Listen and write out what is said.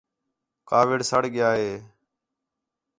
کاوِڑا سڑ ڳِیا ہے